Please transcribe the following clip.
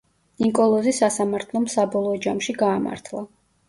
ნიკოლოზი სასამართლომ საბოლოო ჯამში გაამართლა.